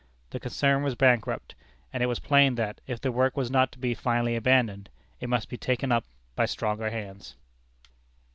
The concern was bankrupt, and it was plain that, if the work was not to be finally abandoned, it must be taken up by stronger hands.